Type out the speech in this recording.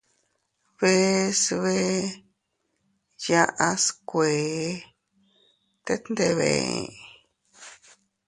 Bees bee yaʼas kuee, tet ndebe ee.